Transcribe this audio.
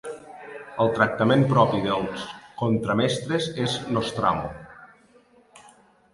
El tractament propi dels contramestres és nostramo.